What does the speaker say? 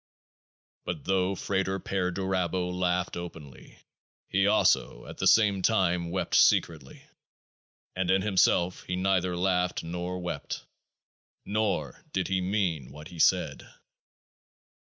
But though FRATER PERDURABO laughed openly, He also at the same time wept secretly ; and in Himself He neither laughed nor wept. Nor did He mean what He said.